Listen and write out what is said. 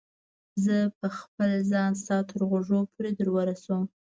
زه به خپل ځان ستا تر غوږو پورې در ورسوم.